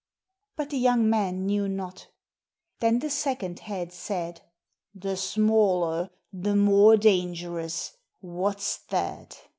But the young man knew not. Then the second head said : "The smaller, the more dangerous, what's that